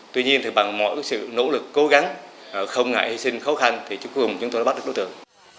tuy nhiên bằng mọi sự nỗ lực cố gắng không ngại hi sinh khó khăn chúng tôi đã bắt được đối tượng